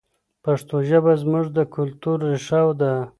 پښتو ژبه زموږ د کلتور ریښه ده.